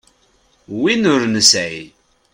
Win ur nesɛi.